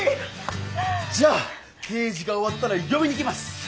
じゃあ定時が終わったら呼びに来ます。